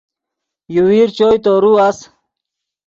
یوویر چوئے تورو اَس